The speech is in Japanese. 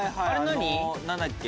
何だっけ？